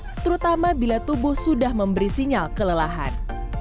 dan berhatir terutama bila tubuh sudah memberi sinyal kelelahan